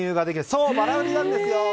そう、ばら売りなんです。